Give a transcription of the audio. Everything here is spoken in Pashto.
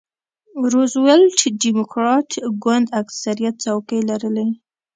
روزولټ ډیموکراټ ګوند اکثریت څوکۍ لرلې.